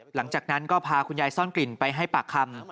หลังจากนั้นก็พาคุณยายซ่อนกลิ่นไปให้ปากคำ